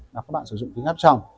là các bạn sử dụng kính áp tròng